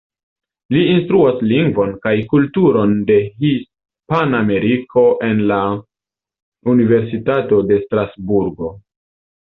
Li instruas lingvon kaj kulturon de Hispanameriko en la Universitato de Strasburgo.